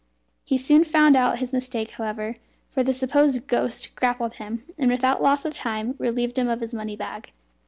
He soon found out his mistake, however, for the supposed ghost grappled him, and without loss of time relieved him of his money bag.